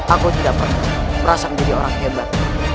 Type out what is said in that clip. aku tidak pernah merasa menjadi orang hebat